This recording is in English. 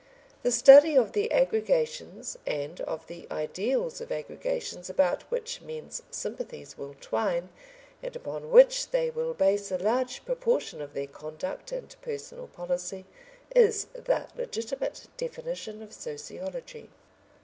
The study of the aggregations and of the ideals of aggregations about which men's sympathies will twine, and upon which they will base a large proportion of their conduct and personal policy, is the legitimate definition of sociology.